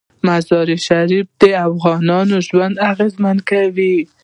مزارشریف د افغانانو ژوند اغېزمن کوي.